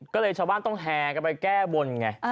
ก็เลยชาวบ้านต้องแห่กันไปแก้บนไง